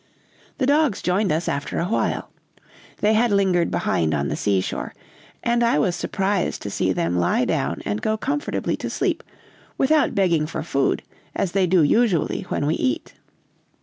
The dogs joined us after a while. They had lingered behind on the seashore, and I was surprised to see them lie down and go comfortably to sleep without begging for food, as they do usually when we eat.